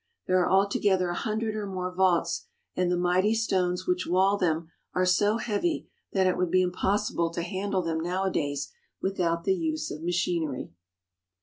There are altogether a hundred or more vaults, and the mighty stones which wall them are so heavy that it would be impossible to handle them nowadays without the use of machinery.